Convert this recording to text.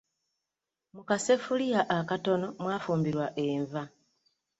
Mu kaseffuliya akatono mwafumbira enva.